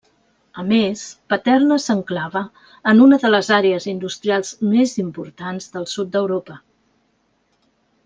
A més, Paterna s'enclava en una de les àrees industrials més importants del sud d'Europa.